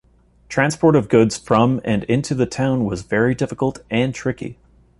Transport of goods from and into the town was very difficult and tricky.